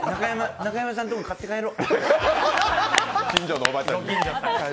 中山さんとこにも買って帰ろう。